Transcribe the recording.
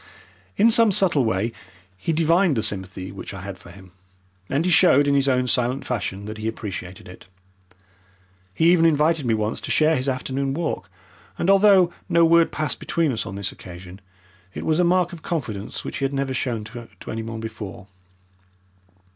In some subtle way he divined the sympathy which I had for him, and he showed in his own silent fashion that he appreciated it. He even invited me once to share his afternoon walk, and although no word passed between us on this occasion, it was a mark of confidence which he had never shown to anyone before.